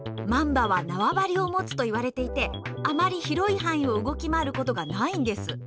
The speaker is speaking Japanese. マンバは縄張りを持つと言われていてあまり広い範囲を動き回る事がないんです。